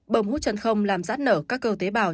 bầm hút chân không làm rát nở các cơ tế bào